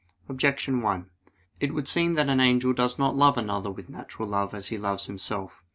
Objection 1: It would seem that an angel does not love another with natural love as he loves himself.